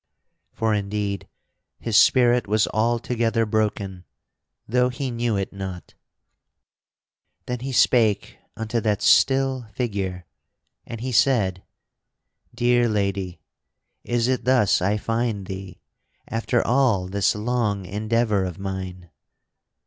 (For indeed, his spirit was altogether broken though he knew it not.) [Sidenote: Of the grief of Sir Percival] Then he spake unto that still figure, and he said: "Dear lady, is it thus I find thee after all this long endeavor of mine?